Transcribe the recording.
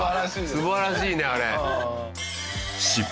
素晴らしいねあれ。